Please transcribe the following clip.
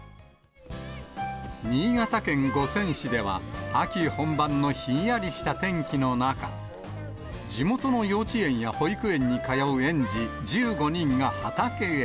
新潟県五泉市では、秋本番のひんやりした天気の中、地元の幼稚園や保育園に通う園児１５人が畑へ。